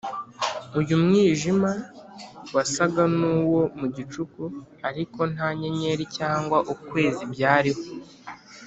uyu mwijima wasaga n’uwo mu gicuku ariko nta nyenyeri cyangwa ukwezi byariho